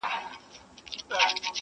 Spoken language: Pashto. زمري وویل خوږې کوې خبري،